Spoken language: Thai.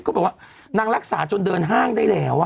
บอกว่านางรักษาจนเดินห้างได้แล้ว